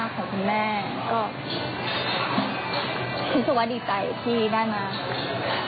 เพราะว่าทางทีมงาน